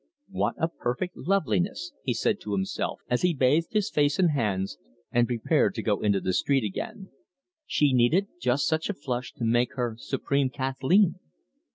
"What a perfect loveliness!" he said to himself as he bathed his face and hands, and prepared to go into the street again. "She needed just such a flush to make her supreme Kathleen!"